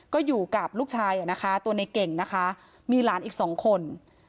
ก็อยู่กับลูกชายตัวในเก่งมีหลานอีก๒คน